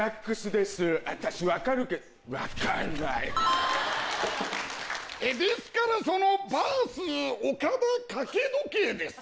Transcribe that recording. ですからそのバース岡田掛け時計です。